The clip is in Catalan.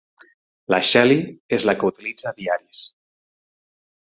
La Shelly és la que utilitza diaris.